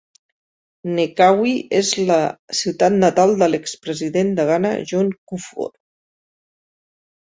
Nkawie és la ciutat natal de l'ex president de Ghana John Kufuor.